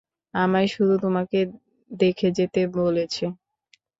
আমায় শুধু তোমাকে দেখে যেতে বলেছে।